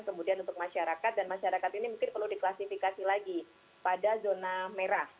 kemudian untuk masyarakat dan masyarakat ini mungkin perlu diklasifikasi lagi pada zona merah